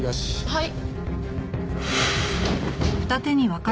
はい。